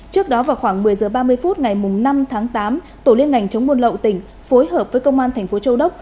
trước đó vào khoảng một mươi h ba mươi phút ngày năm tháng tám tổ liên ngành chống buôn lậu tỉnh phối hợp với công an thành phố châu đốc